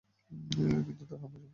কিন্তু তার হামলা সফল হয়নি।